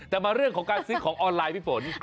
แต่มาเรื่องของการซื้อของออนไลน์พี่ฝน